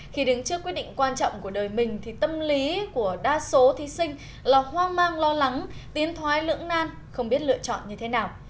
khi đứng trước quyết định quan trọng của đời mình thì tâm lý của đa số thí sinh là hoang mang lo lắng tiến thoái lưỡng nan không biết lựa chọn như thế nào